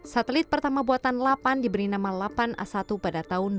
satelit pertama buatan lapan diberi nama lapan a satu pada tahun dua ribu